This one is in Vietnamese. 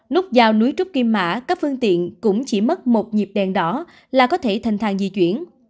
nút giao núi trúc kim mã các phương tiện cũng chỉ mất một nhịp đèn đỏ là có thể thành thang di chuyển